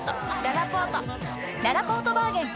ららぽーとバーゲン開催！